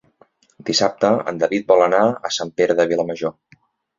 Dissabte en David vol anar a Sant Pere de Vilamajor.